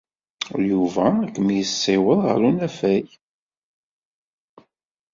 Yuba ad kem-yessiweḍ ɣer unafag.